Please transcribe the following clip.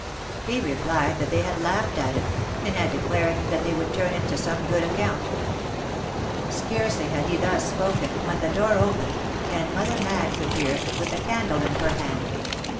He replied that they had laughed at it, and had declared that they would turn it to some good account. Scarcely had he thus spoken, when the door opened, and Mother Maggs appeared, with a candle in her hand.